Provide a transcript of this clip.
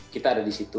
kita ada disitu